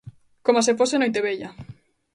Coma se fose Noitevella.